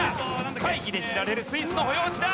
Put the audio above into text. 会議で知られるスイスの保養地だ。